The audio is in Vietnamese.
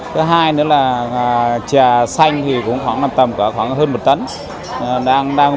thứ hai nữa là trà xanh thì cũng khoảng nằm tầm hơn một tấn